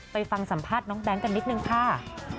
ไปฟังสัมภาษณ์น้องแบงค์กันนิดนึงค่ะ